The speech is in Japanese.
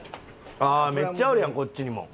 あめっちゃあるやんこっちにも。